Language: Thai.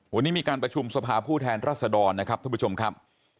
วันนี้มีการประชุมสภาผู้แทนรัศดรนะครับท่านผู้ชมครับ